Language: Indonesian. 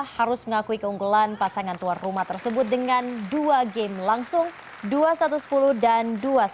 harus mengakui keunggulan pasangan tuan rumah tersebut dengan dua game langsung dua satu sepuluh dan dua satu